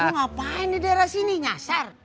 mau ngapain di daerah sini nyasar